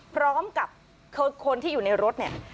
พร้อมกับคนที่อยู่ในรถเนี่ย